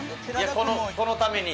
このために。